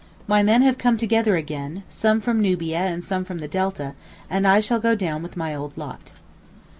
My men have come together again, some from Nubia and some from the Delta; and I shall go down with my old lot.